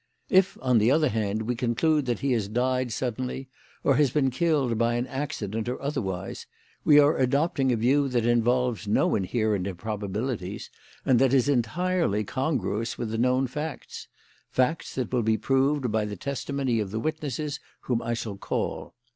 If, on the other hand, we conclude that he has died suddenly, or has been killed by an accident or otherwise, we are adopting a view that involves no inherent improbabilities and that is entirely congruous with the known facts; facts that will be proved by the testimony of the witnesses whom I shall call.